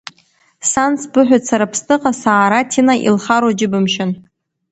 Сан сбыҳәоит сара Аԥсныҟа саара Ҭина илхароу џьыбымшьан.